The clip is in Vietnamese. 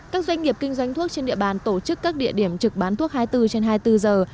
các doanh nghiệp kinh doanh thuốc trên địa bàn tổ chức các địa điểm trực bán thuốc hai mươi bốn trên hai mươi bốn giờ